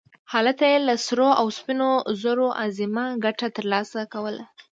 هلته یې له سرو او سپینو زرو عظیمه ګټه ترلاسه کوله.